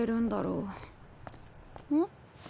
うん？